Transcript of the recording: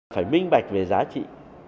phải minh bạch về giá trị